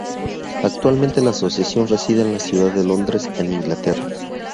Actualmente la Asociación reside en la ciudad de Londres en Inglaterra.